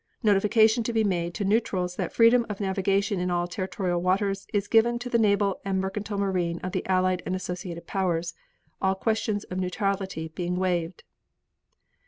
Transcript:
Notification to be made to neutrals that freedom of navigation in all territorial waters is given to the naval and mercantile marine of the Allied and associated Powers, all questions of neutrality being waived.